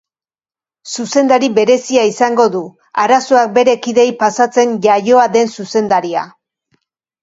Zuzendari berezia izango du, arazoak bere kideei pasatzen iaioa den zuzendaria.